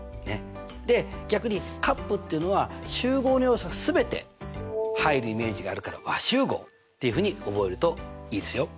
で逆に∪っていうのは集合の要素が全て入るイメージがあるから和集合っていうふうに覚えるといいですよ。